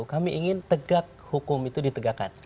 kami ingin tegak hukum itu ditegakkan